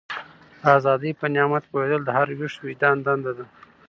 د ازادۍ په نعمت پوهېدل د هر ویښ وجدان دنده ده.